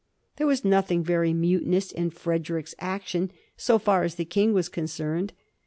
There was noth ing very mutinous in Frederick's action so far as the King was concerned.